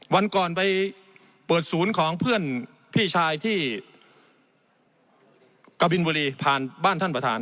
วันก่อนไปเปิดศูนย์ของเพื่อนพี่ชายที่กะบินบุรีผ่านบ้านท่านประธาน